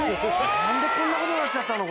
・何でこんなことなっちゃったの？